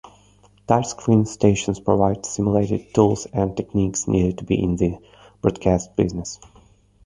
Touch-screen stations provide simulated tools and techniques needed to be in the broadcast business.